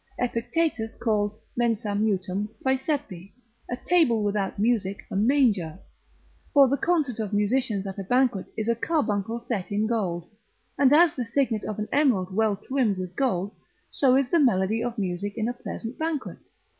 Epictetus calls mensam mutam praesepe, a table without music a manger: for the concert of musicians at a banquet is a carbuncle set in gold; and as the signet of an emerald well trimmed with gold, so is the melody of music in a pleasant banquet.